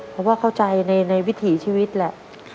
เพราะว่าเข้าใจในวิถีชีวิตแหละ